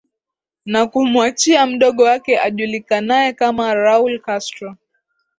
Na kumuachia mdogo wake ajulikanae kama Ràul Castro